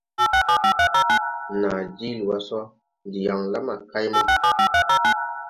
Naa jiili wá sɔ ndi yaŋ la ma kay mo.